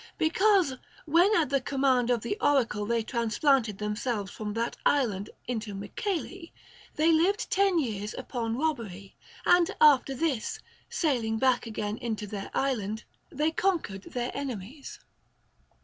Because, when at the command of the oracle they transplanted themselves from that island into Mycale, they lived ten years upon robbery ; and after this, sailing back again into their island, they conquered their enemies.